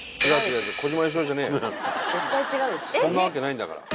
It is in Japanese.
そんなわけないんだから。